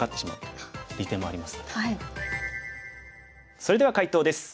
それでは解答です。